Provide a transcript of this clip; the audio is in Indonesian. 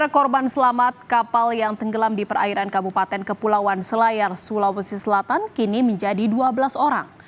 tiga korban selamat kapal yang tenggelam di perairan kabupaten kepulauan selayar sulawesi selatan kini menjadi dua belas orang